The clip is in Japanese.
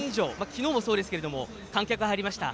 昨日もそうですけれども観客が入りました。